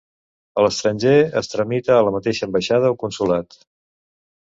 A l'estranger, es tramita a la mateixa ambaixada o consolat.